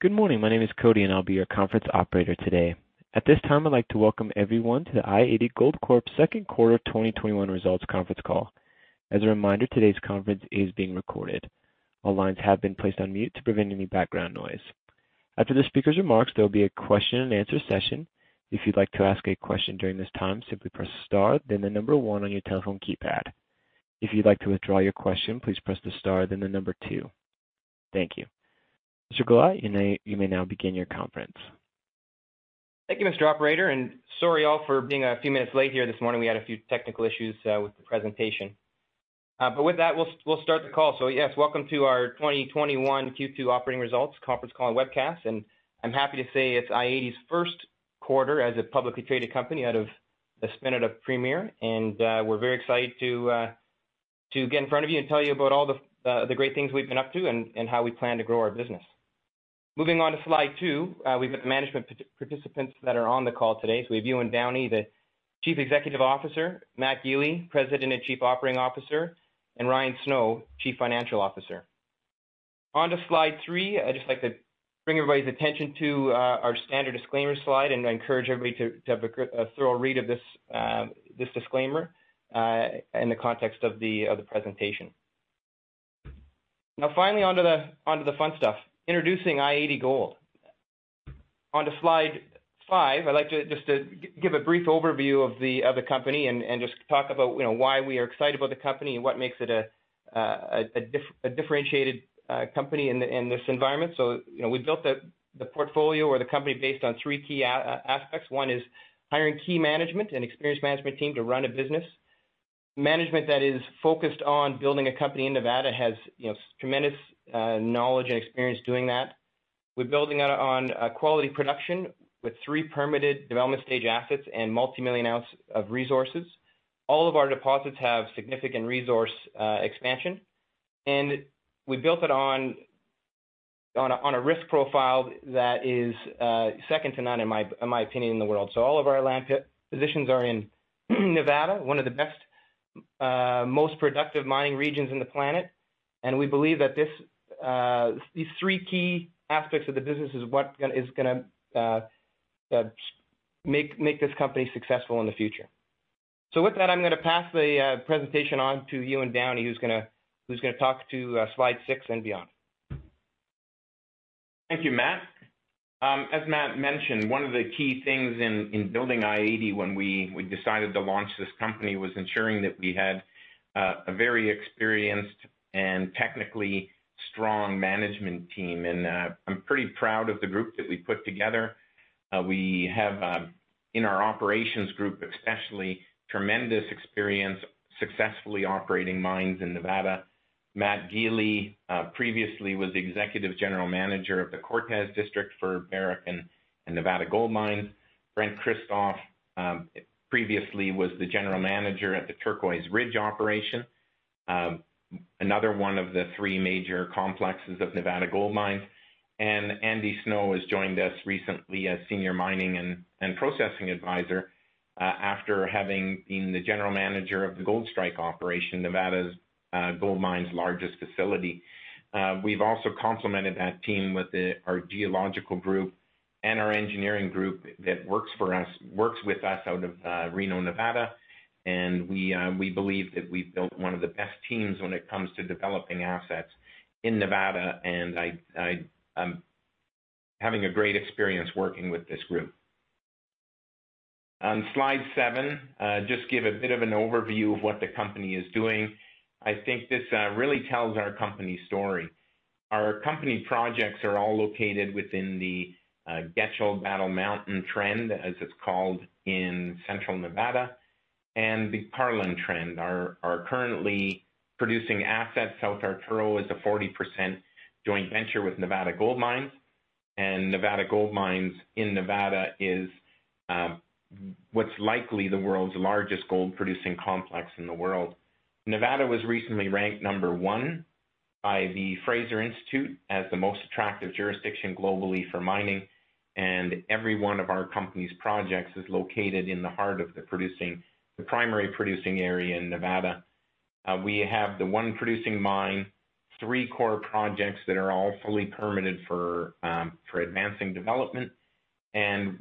Good morning. My name is Cody, and I'll be your conference operator today. At this time, I'd like to welcome everyone to the i-80 Gold Corp second quarter 2021 results conference call. As a reminder, today's conference is being recorded. All lines have been placed on mute to prevent any background noise. After the speaker's remarks, there will be a question and answer session. If you'd like to ask a question during this time, simply press star then the number one on your telephone keypad. If you'd like to withdraw your question, please press the star then the number two. Thank you. Mr. Gollat, you may now begin your conference. Thank you, Mr. Operator. Sorry all for being a few minutes late here this morning. We had a few technical issues with the presentation. With that, we'll start the call. Yes, welcome to our 2021 Q2 operating results conference call and webcast. I'm happy to say it's i-80's first quarter as a publicly traded company out of the spin-out of Premier. We're very excited to get in front of you and tell you about all the great things we've been up to and how we plan to grow our business. Moving on to slide 2. We've management participants that are on the call today. We have Ewan Downie, Chief Executive Officer, Matt Gili, President and Chief Operating Officer, and Ryan Snow, Chief Financial Officer. On to slide 3, I'd just like to bring everybody's attention to our standard disclaimer slide. I encourage everybody to have a thorough read of this disclaimer in the context of the presentation. Finally, onto the fun stuff, introducing i-80 Gold. On to slide 5, I'd like just to give a brief overview of the other company and just talk about why we are excited about the company and what makes it a differentiated company in this environment. We built the portfolio or the company based on three key aspects. One is hiring key management and experienced management team to run a business. Management that is focused on building a company in Nevada, has tremendous knowledge and experience doing that. We're building on a quality production with three permitted development stage assets and multimillion ounces of resources. All of our deposits have significant resource expansion, we built it on a risk profile that is second to none, in my opinion, in the world. All of our land positions are in Nevada, one of the best, most productive mining regions on the planet. We believe that these three key aspects of the business is what is going to make this company successful in the future. With that, I'm going to pass the presentation on to Ewan Downie, who's going to talk to slide 6 and beyond. Thank you, Matt. As Matt mentioned, one of the key things in building i-80 when we decided to launch this company, was ensuring that we had a very experienced and technically strong management team. I'm pretty proud of the group that we put together. We have, in our operations group especially, tremendous experience successfully operating mines in Nevada. Matt Gili previously was the Executive General Manager of the Cortez District for Barrick and Nevada Gold Mines. Brent Kristof previously was the General Manager at the Turquoise Ridge operation, another one of the three major complexes of Nevada Gold Mines. Andy Snow has joined us recently as Senior Mining and Processing Advisor, after having been the General Manager of the Gold Strike operation, Nevada Gold Mines' largest facility. We've also complemented that team with our geological group and our engineering group that works with us out of Reno, Nevada. We believe that we've built one of the best teams when it comes to developing assets in Nevada. I'm having a great experience working with this group. On slide 7, just give a bit of an overview of what the company is doing. I think this really tells our company's story. Our company projects are all located within the Getchell-Battle Mountain Trend, as it's called, in central Nevada, and the Carlin Trend. Our currently producing asset, South Arturo, is a 40% joint venture with Nevada Gold Mines. Nevada Gold Mines in Nevada is what's likely the world's largest gold producing complex in the world. Nevada was recently ranked number one by the Fraser Institute as the most attractive jurisdiction globally for mining, and every one of our company's projects is located in the heart of the primary producing area in Nevada. We have the one producing mine, three core projects that are all fully permitted for advancing development.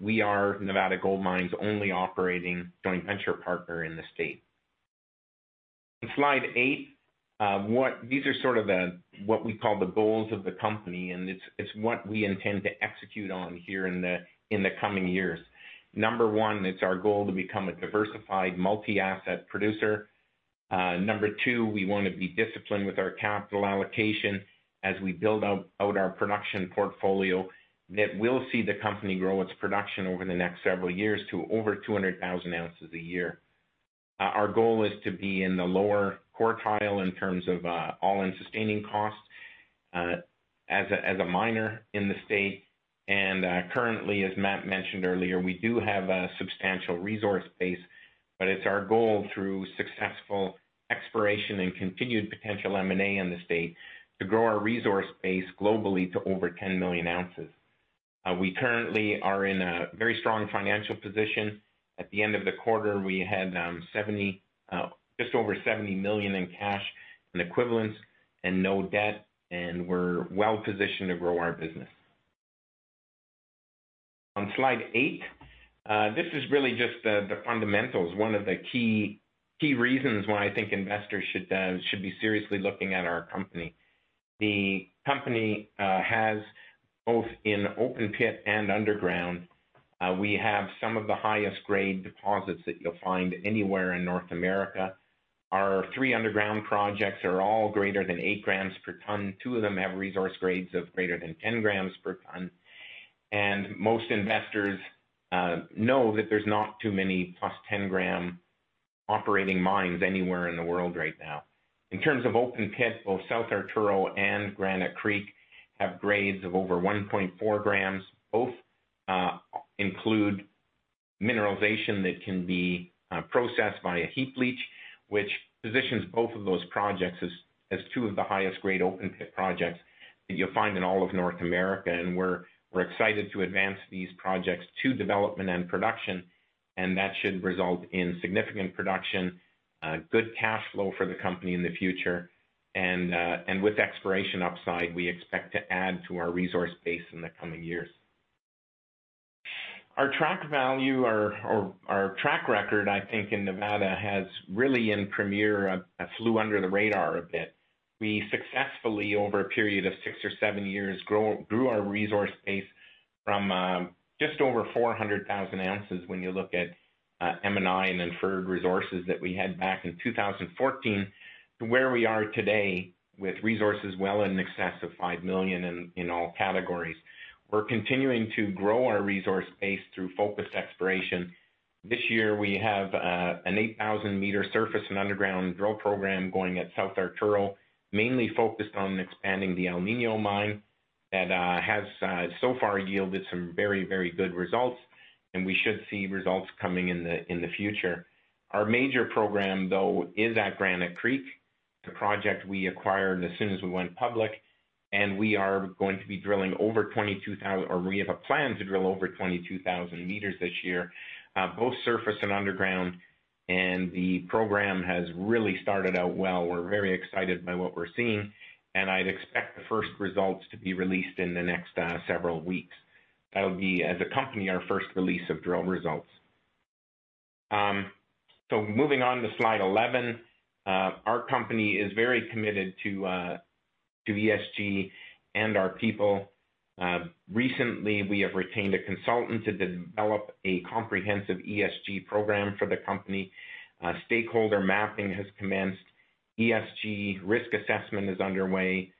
We are Nevada Gold Mines' only operating joint venture partner in the state. On slide 8, these are sort of what we call the goals of the company, and it's what we intend to execute on here in the coming years. Number one, it's our goal to become a diversified multi-asset producer. Number two, we want to be disciplined with our capital allocation as we build out our production portfolio. That will see the company grow its production over the next several years to over 200,000 ounces a year. Our goal is to be in the lower quartile in terms of all-in sustaining costs as a miner in the state. Currently, as Matt mentioned earlier, we do have a substantial resource base. It's our goal through successful exploration and continued potential M&A in the state to grow our resource base globally to over 10 million ounces. We currently are in a very strong financial position. At the end of the quarter, we had just over $70 million in cash and equivalents and no debt, and we're well positioned to grow our business. On slide 8, this is really just the fundamentals. One of the key reasons why I think investors should be seriously looking at our company. The company has, both in open pit and underground, we have some of the highest grade deposits that you'll find anywhere in North America. Our three underground projects are all greater than 8 g/t. Two of them have resource grades of greater than 10 g/t. Most investors know that there's not too many +10 g operating mines anywhere in the world right now. In terms of open pit, both South Arturo and Granite Creek have grades of over 1.4 g. Both include mineralization that can be processed via heap leach, which positions both of those projects as two of the highest grade open pit projects that you'll find in all of North America. We're excited to advance these projects to development and production, and that should result in significant production, good cash flow for the company in the future. With exploration upside, we expect to add to our resource base in the coming years. Our track record, I think, in Nevada has really, in Premier, flew under the radar a bit. We successfully, over a period of six or seven years, grew our resource base from just over 400,000 ounces when you look at M&I and inferred resources that we had back in 2014 to where we are today with resources well in excess of 5 million in all categories. We're continuing to grow our resource base through focused exploration. This year we have an 8,000 m surface and underground drill program going at South Arturo, mainly focused on expanding the El Niño mine that has so far yielded some very good results, and we should see results coming in the future. Our major program, though, is at Granite Creek. It's a project we acquired as soon as we went public, and we have a plan to drill over 22,000 meters this year, both surface and underground. The program has really started out well. We're very excited by what we're seeing, and I'd expect the first results to be released in the next several weeks. That'll be, as a company, our first release of drill results. Moving on to slide 11. Our company is very committed to ESG and our people. Recently, we have retained a consultant to develop a comprehensive ESG program for the company. Stakeholder mapping has commenced. ESG risk assessment is underway.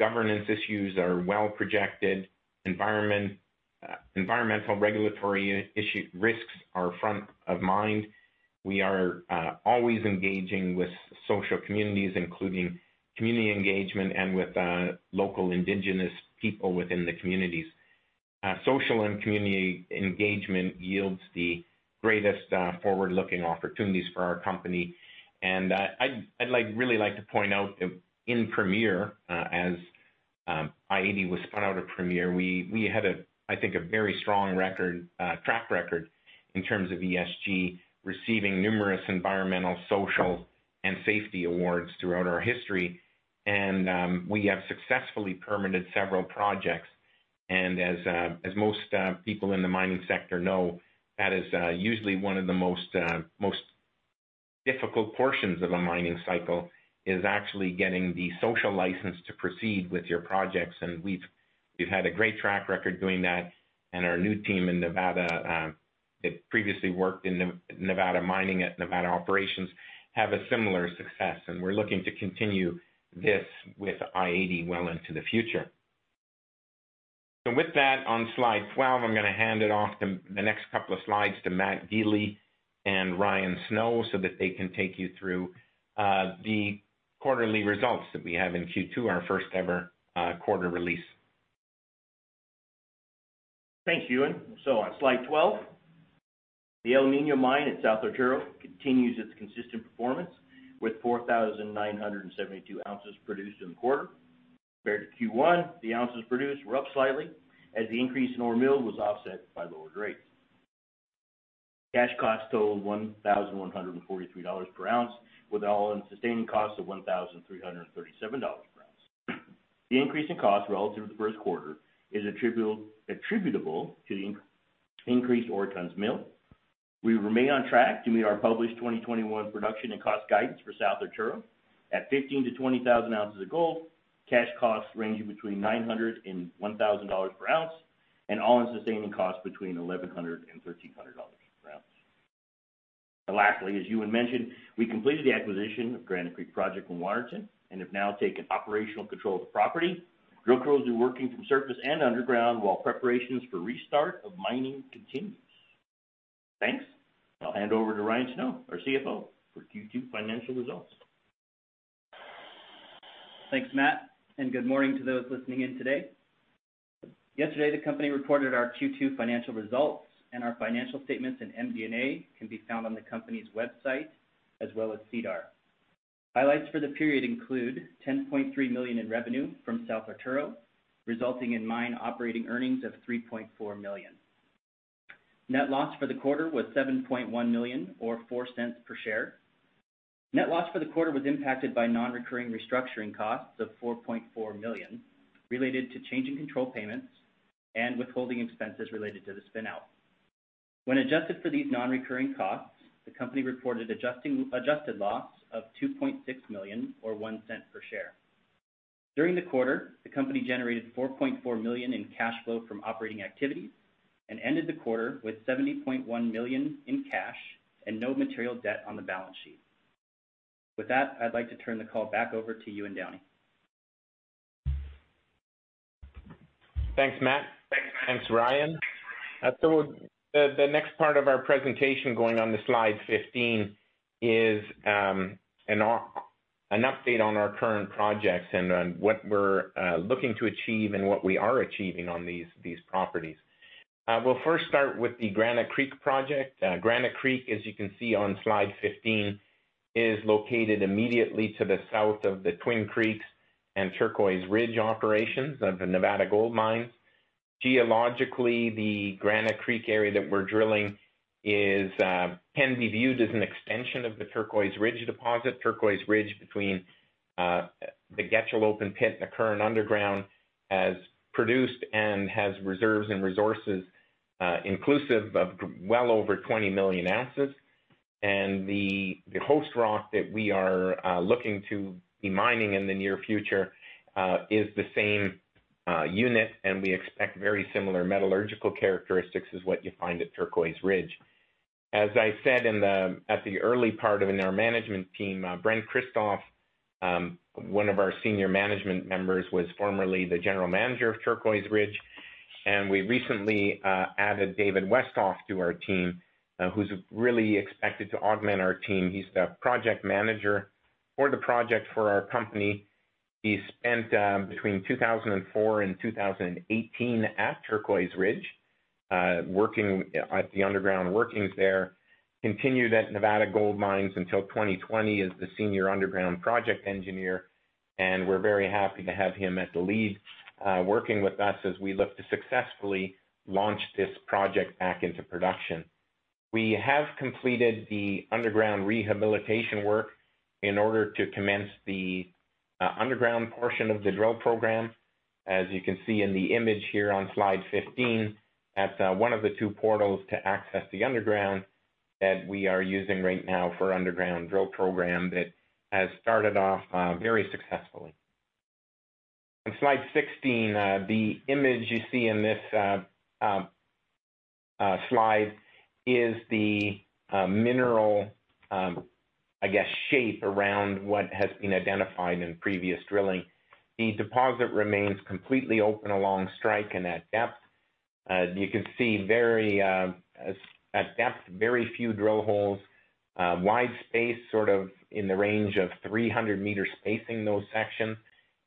Governance issues are well projected. Environmental regulatory risks are front of mind. We are always engaging with social communities, including community engagement and with local indigenous people within the communities. Social and community engagement yields the greatest forward-looking opportunities for our company. I'd really like to point out that in Premier, as i-80 was spun out of Premier, we had, I think, a very strong track record in terms of ESG receiving numerous environmental, social, and safety awards throughout our history. We have successfully permitted several projects. As most people in the mining sector know, that is usually one of the most difficult portions of a mining cycle, is actually getting the social license to proceed with your projects. We've had a great track record doing that. Our new team in Nevada that previously worked in Nevada mining at Nevada operations have a similar success, and we're looking to continue this with i-80 well into the future. With that, on slide 12, I'm going to hand it off, the next couple of slides, to Matt Gili and Ryan Snow so that they can take you through the quarterly results that we have in Q2, our first-ever quarter release. Thanks, Ewan. On slide 12, the El Niño mine at South Arturo continues its consistent performance with 4,972 ounces produced in the quarter. Compared to Q1, the ounces produced were up slightly as the increase in ore mill was offset by lower grades. Cash costs totaled $1,143 per ounce, with all-in sustaining costs of $1,337 per ounce. The increase in cost relative to the first quarter is attributable to the increased ore tons mill. We remain on track to meet our published 2021 production and cost guidance for South Arturo at 15,000-20,000 ounces of gold, cash costs ranging between $900-$1,000 per ounce, and all-in sustaining costs between $1,100-$1,300 per ounce. Lastly, as Ewan mentioned, we completed the acquisition of Granite Creek Project from Waterton and have now taken operational control of the property. Drill crews are working from surface and underground while preparations for restart of mining continues. Thanks. I'll hand over to Ryan Snow, our CFO, for Q2 financial results. Thanks, Matt. Good morning to those listening in today. Yesterday, the company reported our Q2 financial results, and our financial statements and MD&A can be found on the company's website as well as SEDAR. Highlights for the period include $10.3 million in revenue from South Arturo, resulting in mine operating earnings of $3.4 million. Net loss for the quarter was $7.1 million or $0.04 per share. Net loss for the quarter was impacted by non-recurring restructuring costs of $4.4 million related to change in control payments and withholding expenses related to the spin-out. When adjusted for these non-recurring costs, the company reported adjusted loss of $2.6 million or $0.01 per share. During the quarter, the company generated $4.4 million in cash flow from operating activities and ended the quarter with $70.1 million in cash and no material debt on the balance sheet. With that, I'd like to turn the call back over to you, Ewan Downie. Thanks, Matt. Thanks, Ryan. The next part of our presentation going on to slide 15 is an update on our current projects and on what we're looking to achieve and what we are achieving on these properties. We'll first start with the Granite Creek project. Granite Creek, as you can see on slide 15, is located immediately to the south of the Twin Creeks and Turquoise Ridge operations of the Nevada Gold Mines. Geologically, the Granite Creek area that we're drilling can be viewed as an extension of the Turquoise Ridge deposit. Turquoise Ridge between the Getchell open pit and the current underground has produced and has reserves and resources inclusive of well over 20 million ounces. The host rock that we are looking to be mining in the near future is the same unit, and we expect very similar metallurgical characteristics as what you find at Turquoise Ridge. As I said at the early part of our management team, Brent Kristof, one of our senior management members, was formerly the General Manager of Turquoise Ridge, and we recently added David Westhoff to our team, who's really expected to augment our team. He's the Project Manager for the project for our company. He spent between 2004 and 2018 at Turquoise Ridge, working at the underground workings there. Continued at Nevada Gold Mines until 2020 as the Senior Underground Project Engineer, and we're very happy to have him at the lead, working with us as we look to successfully launch this project back into production. We have completed the underground rehabilitation work in order to commence the underground portion of the drill program. As you can see in the image here on slide 15, that's one of the two portals to access the underground that we are using right now for underground drill program that has started off very successfully. On slide 16, the image you see in this slide is the mineral, I guess, shape around what has been identified in previous drilling. The deposit remains completely open along strike and at depth. You can see at depth, very few drill holes. Wide space, sort of in the range of 300 m spacing, those sections.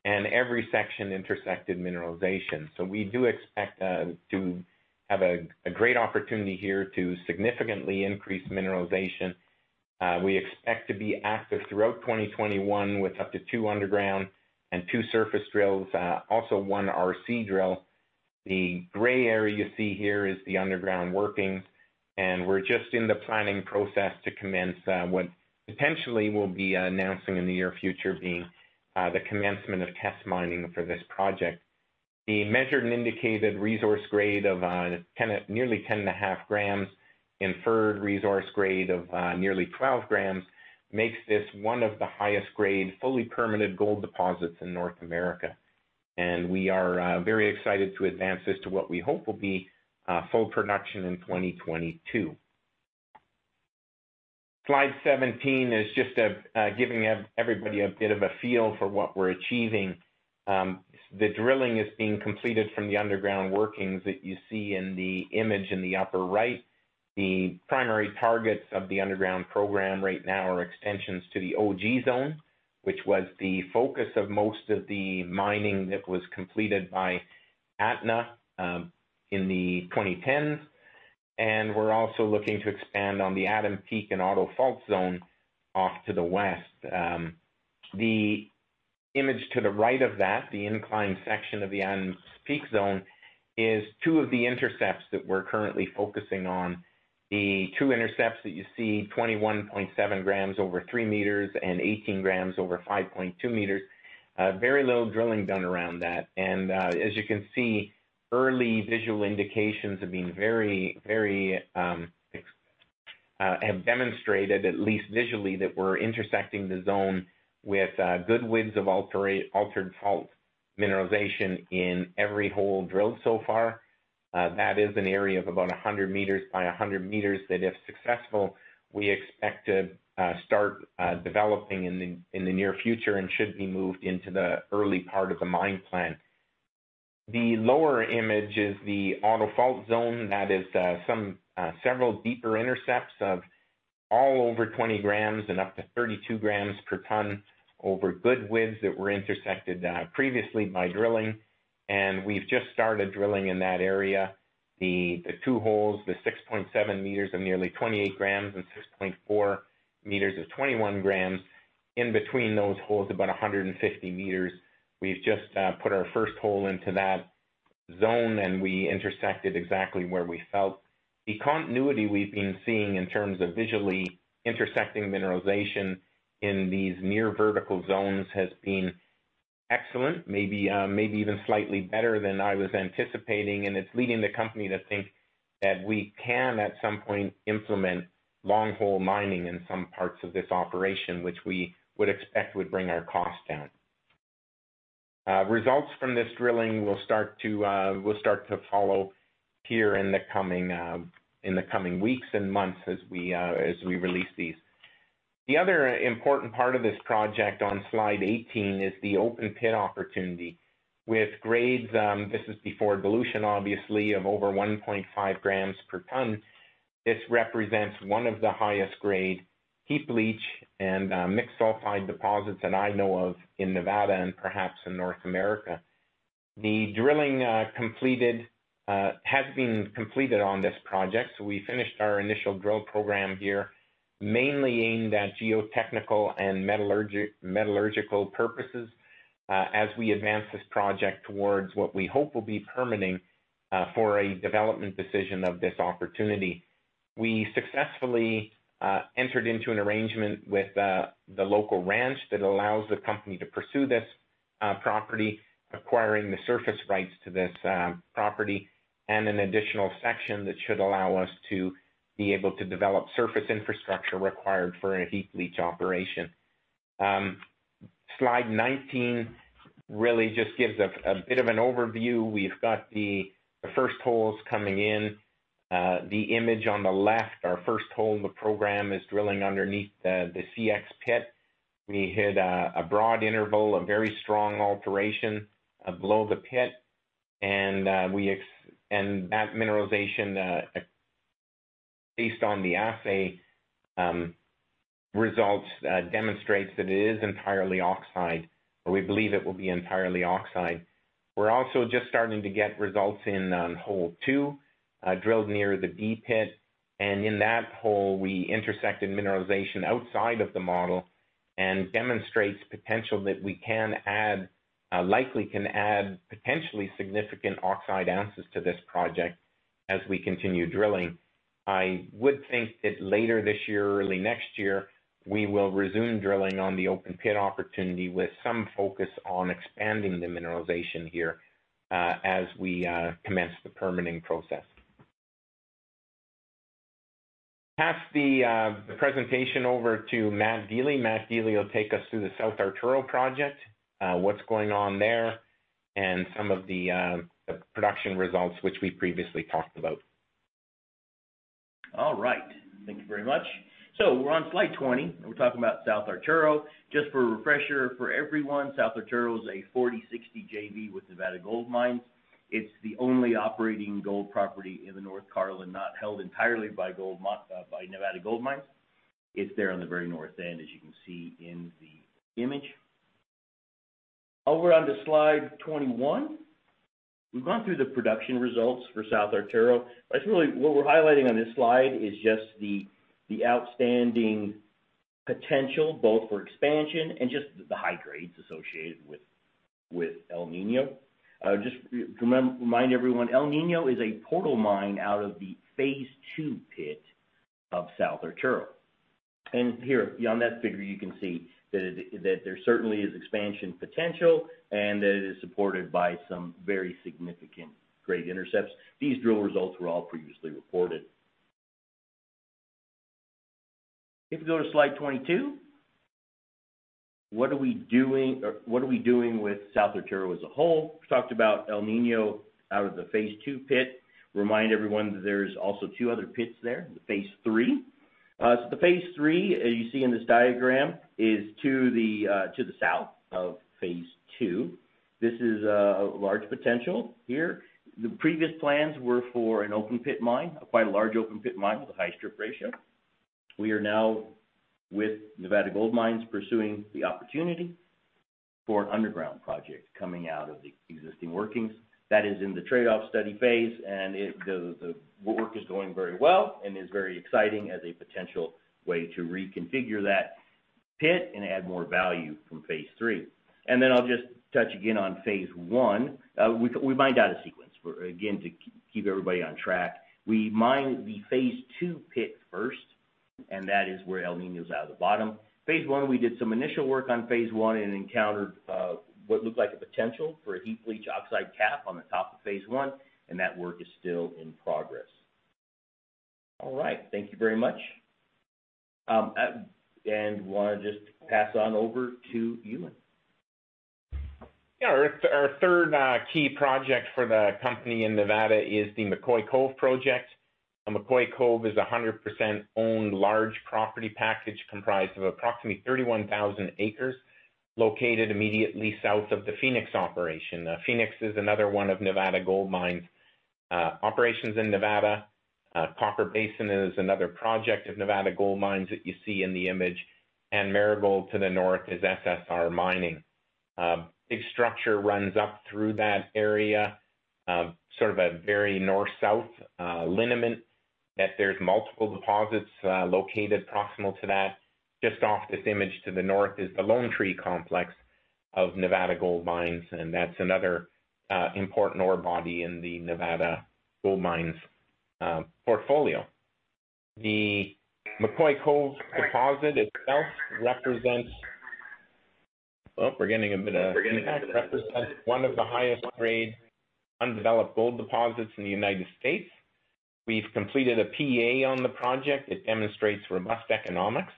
Every section intersected mineralization. We do expect to have a great opportunity here to significantly increase mineralization. We expect to be active throughout 2021 with up to two underground and two surface drills, also one RC drill. The gray area you see here is the underground workings, and we're just in the planning process to commence what potentially will be announcing in the near future being the commencement of test mining for this project. The Measured and Indicated resource grade of nearly 10.5 g, Inferred resource grade of nearly 12 g makes this one of the highest grade, fully permitted gold deposits in North America. We are very excited to advance this to what we hope will be full production in 2022. Slide 17 is just giving everybody a bit of a feel for what we're achieving. The drilling is being completed from the underground workings that you see in the image in the upper right. The primary targets of the underground program right now are extensions to the Ogee Zone, which was the focus of most of the mining that was completed by Atna in the 2010s. We're also looking to expand on the Adam Peak and Otto Fault Zone off to the west. The image to the right of that, the inclined section of the Adam Peak Zone, is two of the intercepts that we're currently focusing on. The two intercepts that you see, 21.7 g over 3 m and 18 g over 5.2 m. Very little drilling done around that. As you can see, early visual indications have demonstrated at least visually, that we're intersecting the zone with good widths of altered fault mineralization in every hole drilled so far. That is an area of about 100 m by 100 m that, if successful, we expect to start developing in the near future and should be moved into the early part of the mine plan. The lower image is the Otto Fault Zone that is several deeper intercepts of all over 20 g/t and up to 32 g/t over good widths that were intersected previously by drilling. We've just started drilling in that area. The two holes, the 6.7 m of nearly 28 g and 6.4 m of 21 g, in between those holes, about 150 m. We've just put our first hole into that zone, and we intersected exactly where we felt. The continuity we've been seeing in terms of visually intersecting mineralization in these near vertical zones has been excellent. Maybe even slightly better than I was anticipating. It's leading the company to think that we can, at some point, implement long hole mining in some parts of this operation, which we would expect would bring our cost down. Results from this drilling, we'll start to follow here in the coming weeks and months as we release these. The other important part of this project on slide 18 is the open pit opportunity with grades, this is before dilution, obviously, of over 1.5 g/t. This represents one of the highest grade heap leach and mixed sulfide deposits that I know of in Nevada and perhaps in North America. The drilling has been completed on this project. We finished our initial drill program here, mainly aimed at geotechnical and metallurgical purposes, as we advance this project towards what we hope will be permitting, for a development decision of this opportunity. We successfully entered into an arrangement with the local ranch that allows the company to pursue this property, acquiring the surface rights to this property, and an additional section that should allow us to be able to develop surface infrastructure required for a heap leach operation. Slide 19 really just gives a bit of an overview. We've got the first holes coming in. The image on the left, our first hole in the program is drilling underneath the CX pit. We hit a broad interval of very strong alteration below the pit. That mineralization, based on the assay, results demonstrates that it is entirely oxide, or we believe it will be entirely oxide. We're also just starting to get results in hole 2, drilled near the B pit, and in that hole we intersected mineralization outside of the model and demonstrates potential that we likely can add potentially significant oxide ounces to this project as we continue drilling. I would think that later this year or early next year, we will resume drilling on the open pit opportunity with some focus on expanding the mineralization here, as we commence the permitting process. Pass the presentation over to Matt Gili. Matt Gili will take us through the South Arturo project, what's going on there, and some of the production results which we previously talked about. All right. Thank you very much. We're on slide 20. We're talking about South Arturo. Just for a refresher for everyone, South Arturo is a 40/60 JV with Nevada Gold Mines. It's the only operating gold property in the North Carlin not held entirely by Nevada Gold Mines. It's there on the very north end, as you can see in the image. Over onto slide 21. We've gone through the production results for South Arturo. What we're highlighting on this slide is just the outstanding potential, both for expansion and just the high grades associated with El Nino. Just to remind everyone, El Nino is a portal mine out of the phase 2 pit of South Arturo. Here, on that figure, you can see that there certainly is expansion potential and that it is supported by some very significant grade intercepts. These drill results were all previously reported. If you go to slide 22, what are we doing with South Arturo as a whole? We've talked about El Nino out of the phase 2 pit. Remind everyone that there's also 2 other pits there, the phase 3. The phase 3, as you see in this diagram, is to the south of phase 2. This is a large potential here. The previous plans were for an open pit mine, a quite large open pit mine with a high strip ratio. We are now, with Nevada Gold Mines, pursuing the opportunity for an underground project coming out of the existing workings. That is in the trade-off study phase, and the work is going very well and is very exciting as a potential way to reconfigure that pit and add more value from phase 3. Then I'll just touch again on phase 1. We mined out a sequence, again, to keep everybody on track. We mined the phase 2 pit first, and that is where El Nino's out of the bottom. We did some initial work on phase 1 and encountered what looked like a potential for a heap leach oxide cap on the top of phase 1, and that work is still in progress. All right. Thank you very much. Want to just pass on over to you, Ewan. Yeah. Our third key project for the company in Nevada is the McCoy-Cove project. McCoy-Cove is 100% owned large property package comprised of approximately 31,000 acres located immediately south of the Phoenix operation. Phoenix is another one of Nevada Gold Mines' operations in Nevada Copper Basin is another project of Nevada Gold Mines that you see in the image, and Marigold to the north is SSR Mining. Big structure runs up through that area, sort of a very north-south lineament that there's multiple deposits located proximal to that. Just off this image to the north is the Lone Tree complex of Nevada Gold Mines, and that's another important ore body in the Nevada Gold Mines portfolio. The McCoy-Cove deposit itself represents Oh, we're getting a bit of feedback. Represents one of the highest grade undeveloped gold deposits in the United States. We've completed a PEA on the project. It demonstrates robust economics.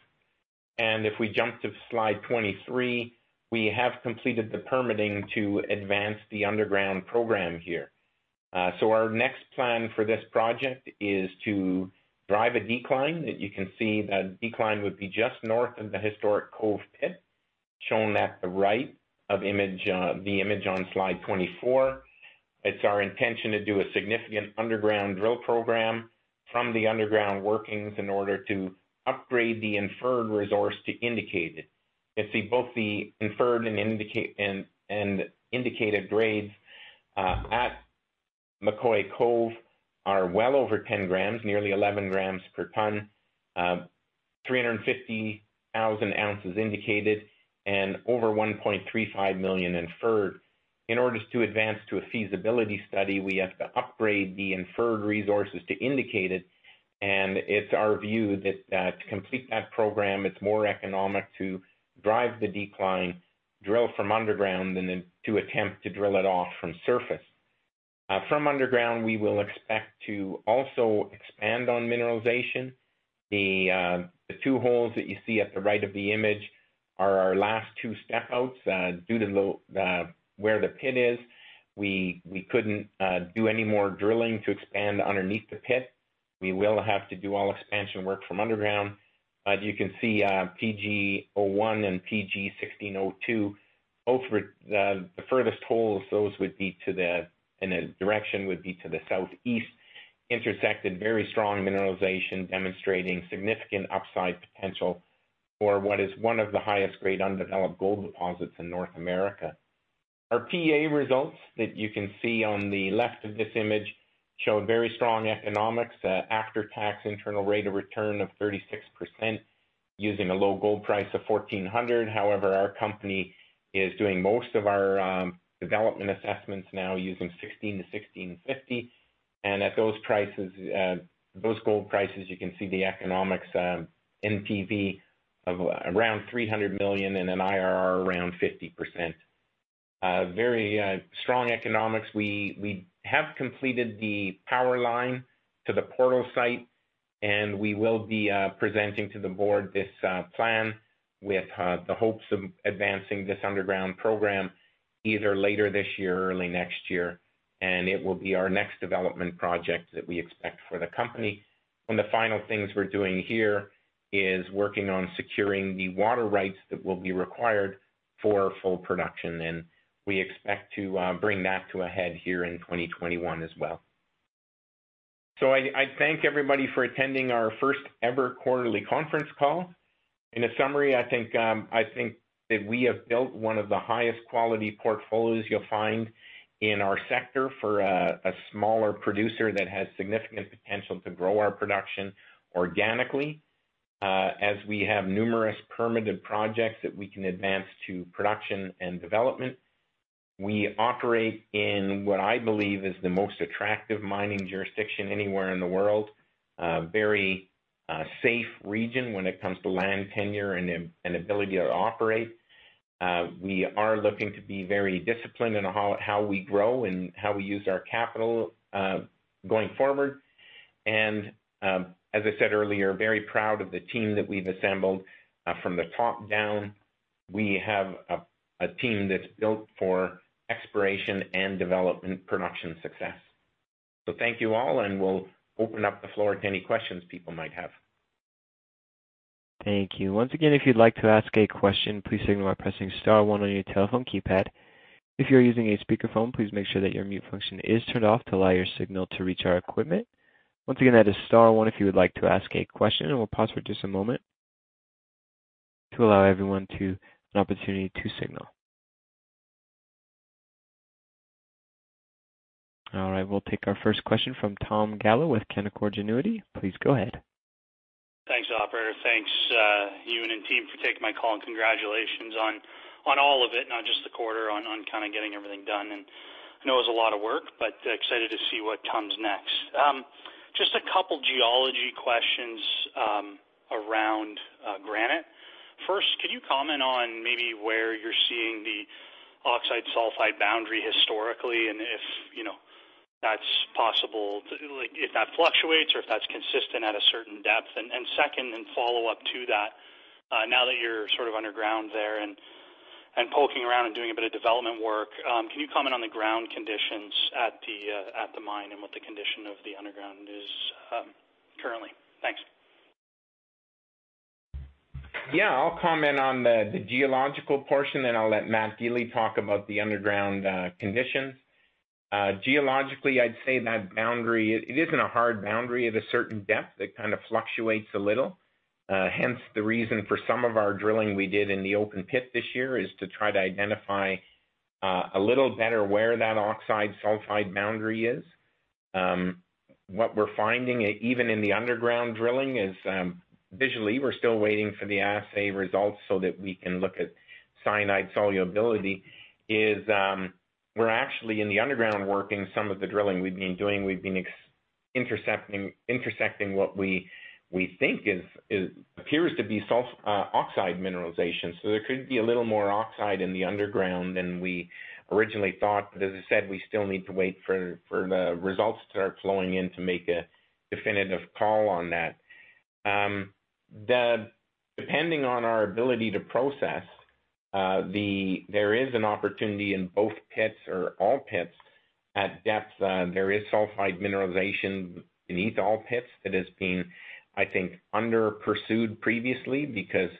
If we jump to Slide 23, we have completed the permitting to advance the underground program here. Our next plan for this project is to drive a decline. You can see that decline would be just north of the historic Cove Pit, shown at the right of the image on Slide 24. It's our intention to do a significant underground drill program from the underground workings in order to upgrade the Inferred resource to Indicated. You can see both the Inferred and Indicated grades, at McCoy-Cove are well over 10 g/t, nearly 11 g/t, 350,000 ounces Indicated, and over 1.35 million Inferred. In order to advance to a feasibility study, we have to upgrade the Inferred resources to Indicated. It's our view that to complete that program, it's more economic to drive the decline, drill from underground, than to attempt to drill it off from surface. From underground, we will expect to also expand on mineralization. The two holes that you see at the right of the image are our last two step outs. Due to where the pit is, we couldn't do any more drilling to expand underneath the pit. We will have to do all expansion work from underground. As you can see, PG-01 and PG16-02, the furthest holes, those would be to the, in a direction, would be to the southeast, intersected very strong mineralization, demonstrating significant upside potential for what is one of the highest grade undeveloped gold deposits in North America. Our PEA results that you can see on the left of this image show very strong economics, after-tax internal rate of return of 36% using a low gold price of $1,400. However, our company is doing most of our development assessments now using $1,600-$1,650. At those gold prices, you can see the economics NPV of around $300 million and an IRR around 50%. Very strong economics. We have completed the power line to the portal site, and we will be presenting to the board this plan with the hopes of advancing this underground program either later this year or early next year, and it will be our next development project that we expect for the company. One of the final things we're doing here is working on securing the water rights that will be required for full production, and we expect to bring that to a head here in 2021 as well. I thank everybody for attending our first ever quarterly conference call. In a summary, I think that we have built one of the highest quality portfolios you'll find in our sector for a smaller producer that has significant potential to grow our production organically, as we have numerous permitted projects that we can advance to production and development. We operate in what I believe is the most attractive mining jurisdiction anywhere in the world. A very safe region when it comes to land tenure and ability to operate. We are looking to be very disciplined in how we grow and how we use our capital, going forward. As I said earlier, very proud of the team that we've assembled from the top down. We have a team that's built for exploration and development production success. Thank you all, and we'll open up the floor to any questions people might have. Thank you. Once again, if you'd like to ask a question, please signal by pressing star one on your telephone keypad. If you're using a speakerphone, please make sure that your mute function is turned off to allow your signal to reach our equipment. Once again, that is star one if you would like to ask a question, and we'll pause for just a moment to allow everyone an opportunity to signal. All right. We'll take our first question from Tom Gallo with Canaccord Genuity. Please go ahead. Thanks, operator. Thanks, Ewan and team, for taking my call and congratulations on all of it, not just the quarter, on getting everything done and I know it was a lot of work, but excited to see what comes next. Just a couple geology questions around Granite. First, can you comment on maybe where you're seeing the oxide-sulfide boundary historically, and if that's possible, if that fluctuates or if that's consistent at a certain depth? Second, in follow-up to that, now that you're sort of underground there and poking around and doing a bit of development work, can you comment on the ground conditions at the mine and what the condition of the underground is currently? Thanks. Yeah, I'll comment on the geological portion, then I'll let Matt Gili talk about the underground conditions. Geologically, I'd say that boundary, it isn't a hard boundary at a certain depth. It kind of fluctuates a little. Hence the reason for some of our drilling we did in the open pit this year is to try to identify a little better where that oxide sulfide boundary is. What we're finding, even in the underground drilling, is visually, we're still waiting for the assay results so that we can look at cyanide solubility, is we're actually in the underground working some of the drilling we've been doing. We've been intersecting what we think appears to be oxide mineralization. There could be a little more oxide in the underground than we originally thought. As I said, we still need to wait for the results to start flowing in to make a definitive call on that. Depending on our ability to process, there is an opportunity in both pits or all pits at depth. There is sulfide mineralization beneath all pits that has been, I think, under-pursued previously because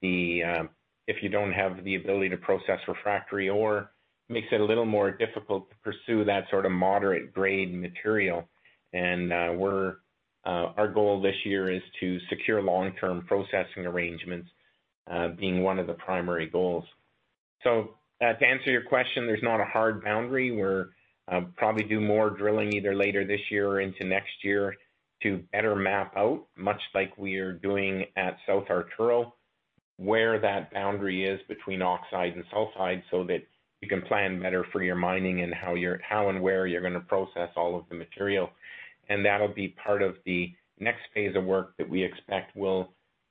if you don't have the ability to process refractory ore, makes it a little more difficult to pursue that sort of moderate grade material. Our goal this year is to secure long-term processing arrangements, being one of the primary goals. To answer your question, there's not a hard boundary. We'll probably do more drilling either later this year or into next year to better map out, much like we're doing at South Arturo, where that boundary is between oxide and sulfide so that you can plan better for your mining and how and where you're going to process all of the material. That'll be part of the next phase of work that we expect.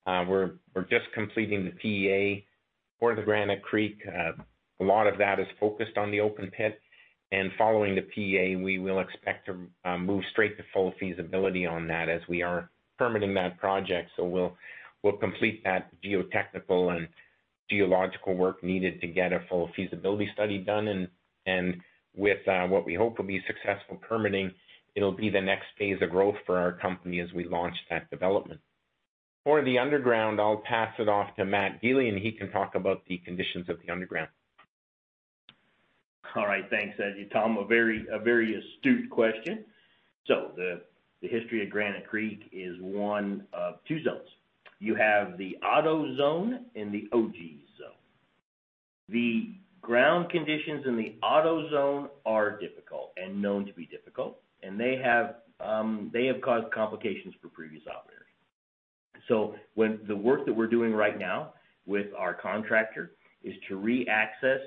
We're just completing the PEA for the Granite Creek. A lot of that is focused on the open pit, and following the PEA, we will expect to move straight to full feasibility on that as we are permitting that project. We'll complete that geotechnical and geological work needed to get a full feasibility study done, and with what we hope will be successful permitting, it'll be the next phase of growth for our company as we launch that development. For the underground, I'll pass it off to Matt Gili, and he can talk about the conditions of the underground. All right. Thanks, Tom, a very astute question. The history of Granite Creek is one of two zones. You have the Otto Zone and the Ogee Zone. The ground conditions in the Otto Zone are difficult and known to be difficult, and they have caused complications for previous operators. The work that we're doing right now with our contractor is to re-access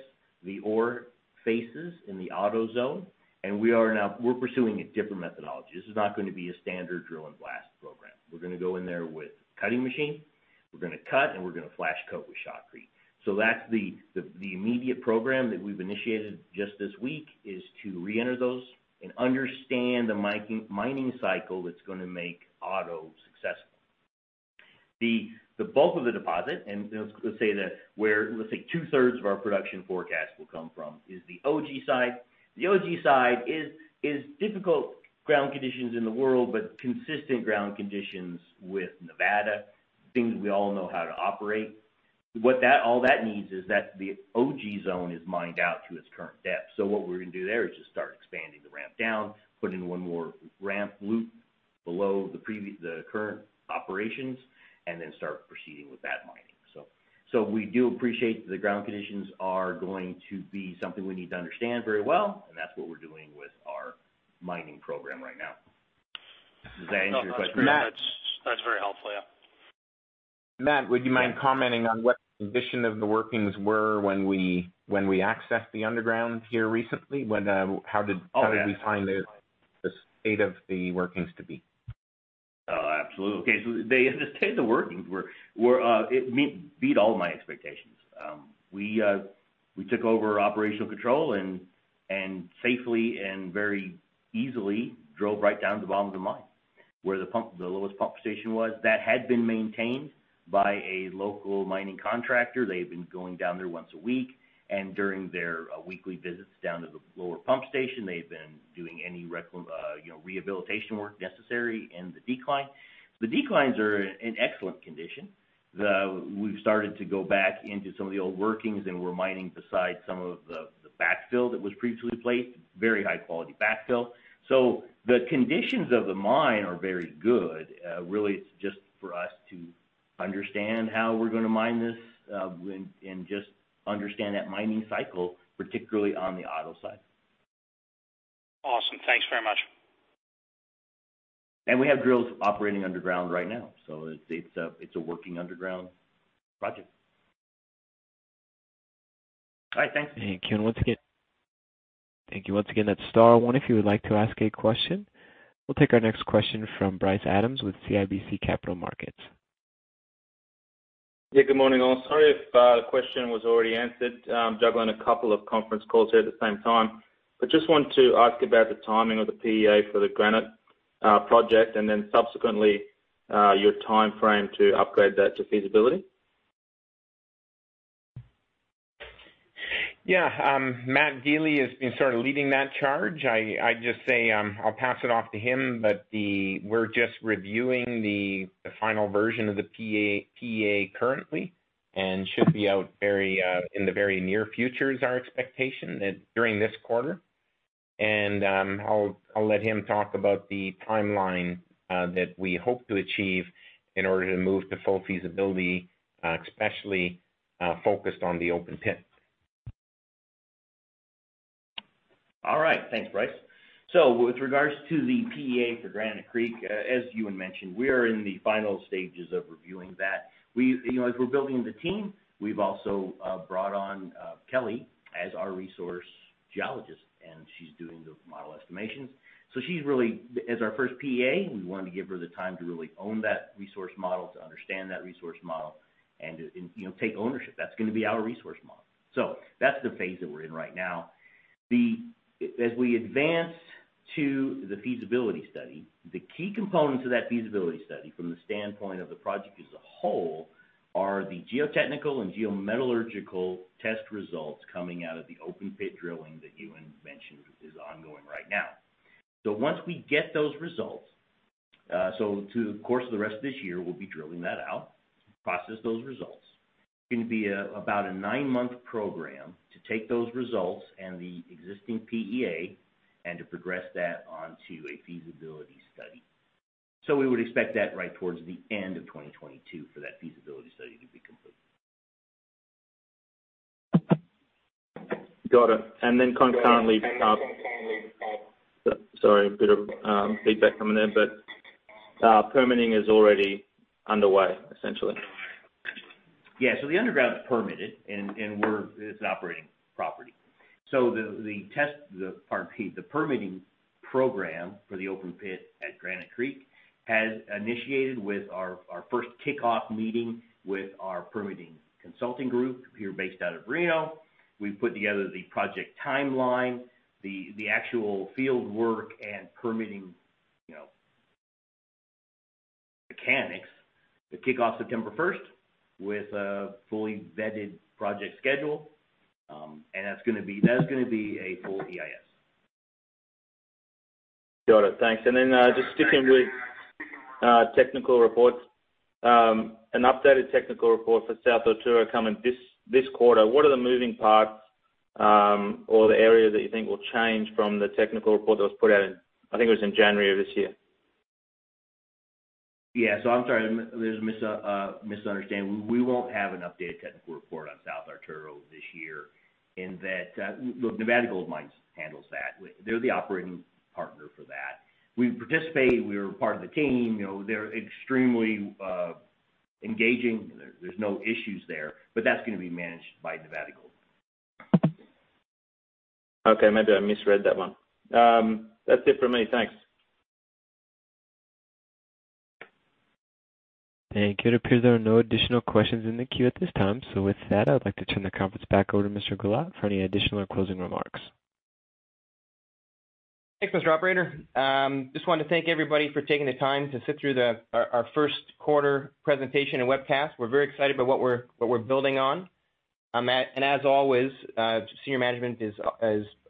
the ore faces in the Otto Zone, and we're pursuing a different methodology. This is not going to be a standard drill and blast program. We're going to go in there with a cutting machine, we're going to cut, and we're going to flash coat with Shotcrete. That's the immediate program that we've initiated just this week, is to reenter those and understand the mining cycle that's going to make Otto successful. The bulk of the deposit, and let's say 2/3 of our production forecast will come from, is the Ogee side. The Ogee side is difficult ground conditions in the world, but consistent ground conditions with Nevada, things we all know how to operate. All that means is that the Ogee Zone is mined out to its current depth. What we're going to do there is just start expanding the ramp down, put in one more ramp loop below the current operations, and then start proceeding with that mining. We do appreciate the ground conditions are going to be something we need to understand very well, and that's what we're doing with our mining program right now. Does that answer your question? That's very helpful, yeah. Matt, would you mind commenting on what the condition of the workings were when we accessed the underground here recently? How did we find the state of the workings to be? Oh, absolutely. The state of the workings were, it beat all my expectations. We took over operational control and safely and very easily drove right down to the bottom of the mine where the lowest pump station was. That had been maintained by a local mining contractor. They had been going down there once a week. During their weekly visits down to the lower pump station, they had been doing any rehabilitation work necessary in the decline. The declines are in excellent condition. We've started to go back into some of the old workings. We're mining beside some of the backfill that was previously placed, very high-quality backfill. The conditions of the mine are very good. Really, it's just for us to understand how we're going to mine this, and just understand that mining cycle, particularly on the Otto Zone side. Awesome. Thanks very much. We have drills operating underground right now, so it's a working underground project. All right. Thanks. Thank you. Once again, that's star one if you would like to ask a question. We'll take our next question from Bryce Adams with CIBC Capital Markets. Yeah, good morning, all. Sorry if the question was already answered. I'm juggling a couple of conference calls here at the same time, but just wanted to ask about the timing of the PEA for the Granite project, and then subsequently, your timeframe to upgrade that to feasibility. Yeah. Matt Gili has been leading that charge. I'll pass it off to him. We're just reviewing the final version of the PEA currently, and should be out in the very near future is our expectation, during this quarter. I'll let him talk about the timeline that we hope to achieve in order to move to full feasibility, especially focused on the open pit. All right. Thanks, Bryce. With regards to the PEA for Granite Creek, as Ewan mentioned, we're in the final stages of reviewing that. As we're building the team, we've also brought on Kelly as our resource geologist, and she's doing the model estimations. As our first PEA, we wanted to give her the time to really own that resource model, to understand that resource model, and take ownership. That's going to be our resource model. That's the phase that we're in right now. As we advance to the feasibility study, the key components of that feasibility study from the standpoint of the project as a whole are the geotechnical and geometallurgical test results coming out of the open pit drilling that Ewan mentioned is ongoing right now. Once we get those results, so through the course of the rest of this year, we'll be drilling that out, process those results. It's going to be about a nine-month program to take those results and the existing PEA and to progress that onto a feasibility study. We would expect that right towards the end of 2022 for that feasibility study to be complete. Got it. Concurrently, Sorry, a bit of feedback coming in, but permitting is already underway, essentially. Yeah. The underground's permitted, and it's an operating property. The permitting program for the open pit at Granite Creek has initiated with our first kickoff meeting with our permitting consulting group here based out of Reno. We've put together the project timeline, the actual field work, and permitting mechanics to kick off September 1st with a fully vetted project schedule. That's going to be a full EIS. Got it. Thanks. Just sticking with technical reports, an updated technical report for South Arturo coming this quarter. What are the moving parts or the area that you think will change from the technical report that was put out in, I think it was in January of this year? Yeah. I'm sorry, there's a misunderstanding. We won't have an updated technical report on South Arturo this year in that Nevada Gold Mines handles that. They're the operating partner for that. We participate. We're part of the team. They're extremely engaging. There's no issues there, but that's going to be managed by Nevada Gold. Okay. Maybe I misread that one. That's it for me. Thanks. It appears there are no additional questions in the queue at this time. With that, I would like to turn the conference back over to Mr. Gollat for any additional or closing remarks. Thanks, Mr. Operator. Just wanted to thank everybody for taking the time to sit through our first quarter presentation and webcast. We're very excited about what we're building on. As always, senior management is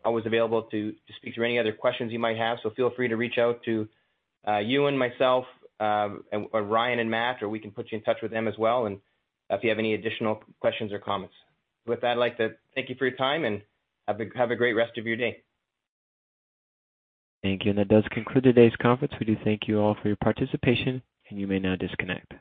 always available to speak to any other questions you might have. Feel free to reach out to Ewan, myself, or Ryan and Matt, or we can put you in touch with them as well if you have any additional questions or comments. With that, I'd like to thank you for your time, and have a great rest of your day. Thank you. That does conclude today's conference. We do thank you all for your participation, and you may now disconnect.